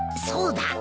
そうだ！